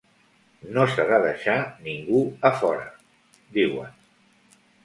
No s’ha de ‘deixar ningú a fora’, diuen.